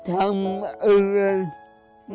ทำงานชื่อนางหยาดฝนภูมิสุขอายุ๕๔ปี